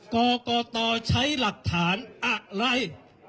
กรกตใช้หลักฐานอะไร